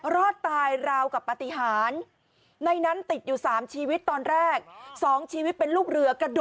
รอดตายราวกับปฏิหารในนั้นติดอยู่๓ชีวิตตอนแรก